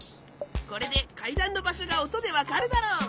これでかいだんのばしょがおとでわかるだろう！